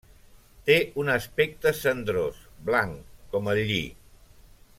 Té un aspecte cendrós, blanc com el lli.